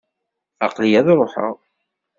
Aqli-iyi ad ruḥeɣ.